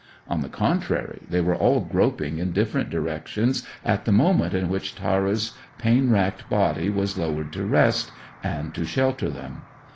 On the contrary, they were all groping in different directions at the moment in which Tara's pain racked body was lowered to rest, and to shelter them.